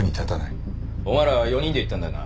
お前ら４人で行ったんだよな。